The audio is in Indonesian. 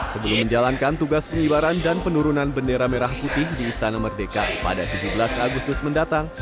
sebelum menjalankan tugas pengibaran dan penurunan bendera merah putih di istana merdeka pada tujuh belas agustus mendatang